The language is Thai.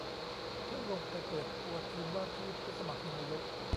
เพิ่งลงไปเปิดตัวทีมว่าที่ผู้สมัครนายก